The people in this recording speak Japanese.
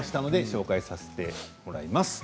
紹介させてもらいます。